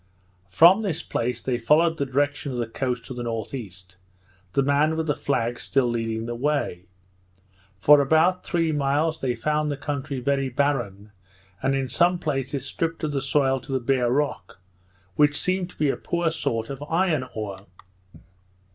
From this place they followed the direction of the coast to the N.E., the man with the flag still leading the way. For about three miles they found the country very barren, and in some places stript of the soil to the bare rock, which seemed to be a poor sort of iron ore.